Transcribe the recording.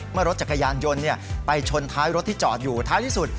เมื่อรถจักรยานยนต์ไปชนท้ายรถที่จอดอยู่ท้ายที่สุด